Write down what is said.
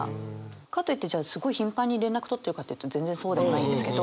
かといってすごい頻繁に連絡取ってるかというと全然そうでもないんですけど。